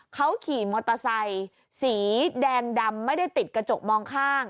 เขาขี่มอเตอร์ไซค์สีแดงดำไม่ได้ติดกระจกมองข้าง